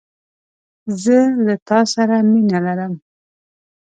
زه له تا سره مینه لرم